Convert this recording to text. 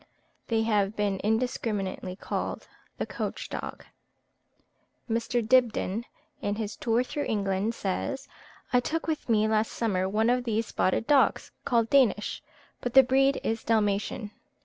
They have been indiscriminately called the Coach dog. Mr. Dibdin, in his "Tour through England," says, "I took with me last summer one of those spotted dogs called Danish, but the breed is Dalmatian.